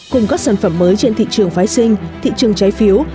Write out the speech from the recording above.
cùng các sản phẩm mới trên thị trường phái sinh thị trường trái phiếu